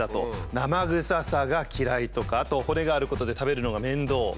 生臭さが嫌いとかあと骨があることで食べるのが面倒。